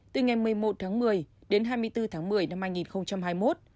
từ ngày một mươi một tháng một mươi đến hai mươi bốn tháng một mươi năm hai nghìn hai mươi một